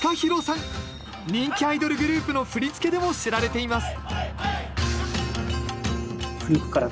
人気アイドルグループの振り付けでも知られています